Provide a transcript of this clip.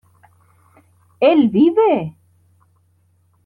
¿él vive?